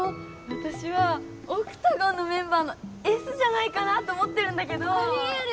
私はオクタゴンのメンバーのエスじゃないかなと思ってるんだけどありえる！